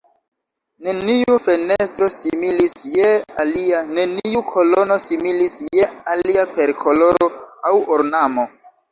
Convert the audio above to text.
Neniu fenestro similis je alia, neniu kolono similis je alia per koloro aŭ ornamo.